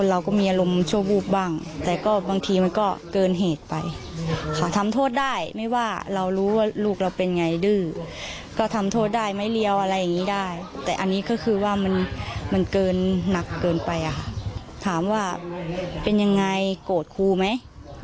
แล้วถามแล้วยังรักครูไหม